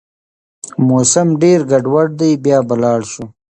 موسم ډېر ګډوډ دی، بيا به لاړ شو